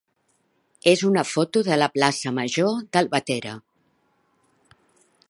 és una foto de la plaça major d'Albatera.